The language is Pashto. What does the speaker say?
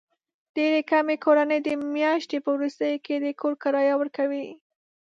ډېرې کمې کورنۍ د میاشتې په وروستیو کې د کور کرایه ورکوي.